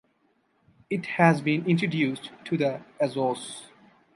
It has been introduced to the Azores.